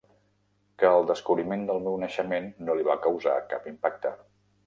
Que el descobriment del meu naixement no li va causar cap impacte.